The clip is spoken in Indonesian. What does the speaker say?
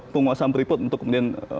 penguasaan pripot untuk kemudian